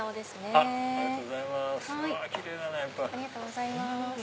ありがとうございます。